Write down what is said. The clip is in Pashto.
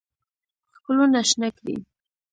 ښکلونه شنه کړي